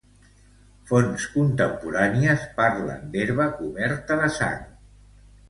Fonts contemporànies parlen d'herba coberta de sang.